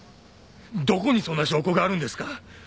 どこにそんな証拠があるんですか！？